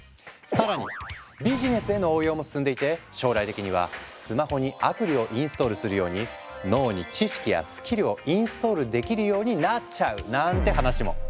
更にビジネスへの応用も進んでいて将来的にはスマホにアプリをインストールするように脳に知識やスキルをインストールできるようになっちゃうなんて話も。